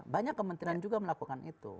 banyak kementerian juga melakukan itu